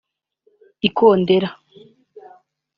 ikondera